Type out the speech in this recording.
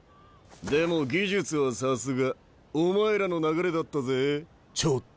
でも技術はさすが。お前らの流れだったぜちょっと。